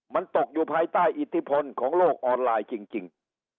มันตกอยู่ภายใต้อิทธิพลของโลกออนไลน์จริง